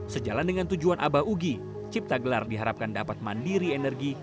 sejalan dengan tujuan abah ugi cipta gelar diharapkan dapat mandiri energi